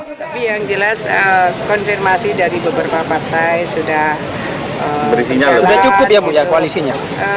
tapi yang jelas konfirmasi dari beberapa partai sudah cukup ya bu ya koalisinya